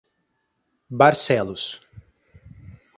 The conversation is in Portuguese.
Barcelos